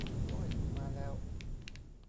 โอ้ย มาแล้ว